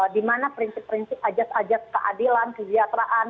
dimana prinsip prinsip ajat ajat keadilan kegiatraan kemuliaan kegiatan